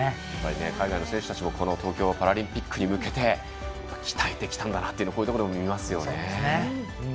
海外の選手たちも東京パラリンピックに向けて鍛えてきたんだなというのが見えますよね。